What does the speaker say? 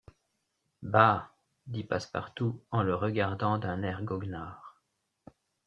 Bah! dit Passepartout en le regardant d’un air goguenard.